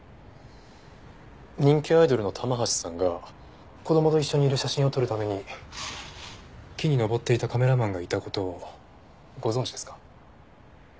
人気アイドルの玉橋さんが子供と一緒にいる写真を撮るために木に登っていたカメラマンがいた事をご存じですか？